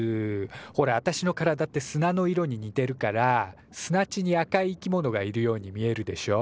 ほらあたしの体って砂の色に似てるから砂地に赤いいきものがいるように見えるでしょ？